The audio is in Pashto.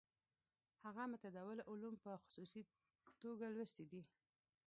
هغه متداوله علوم په خصوصي توګه لوستي دي.